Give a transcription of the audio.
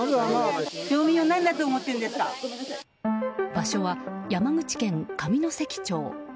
場所は山口県上関町。